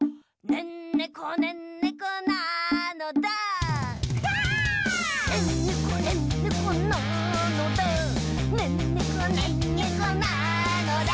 「ねんねこねんねこなのだ」